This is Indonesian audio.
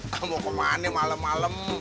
kamu kemana malem malem